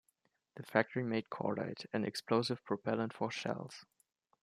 The factory made cordite, an explosive propellent for shells.